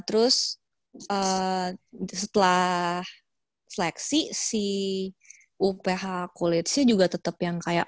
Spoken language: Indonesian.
terus setelah seleksi si uph kulitnya juga tetap yang kayak